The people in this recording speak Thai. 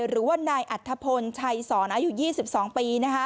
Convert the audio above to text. หรือว่านายอัธพลชัยสอนอายุ๒๒ปี